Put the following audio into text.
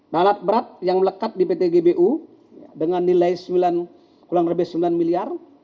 nah alat berat yang melekat di pt gbu dengan nilai kurang lebih sembilan miliar